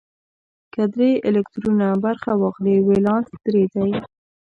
که درې الکترونه برخه واخلي ولانس درې دی.